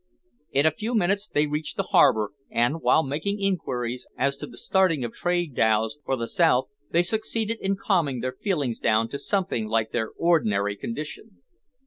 In a few minutes they reached the harbour, and, while making inquiries as to the starting of trading dhows for the south, they succeeded in calming their feelings down to something like their ordinary condition.